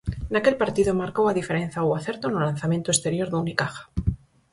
Naquel partido marcou a diferenza o acerto no lanzamento exterior do Unicaja.